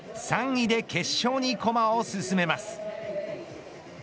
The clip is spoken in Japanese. ３位で決勝に駒を進めます。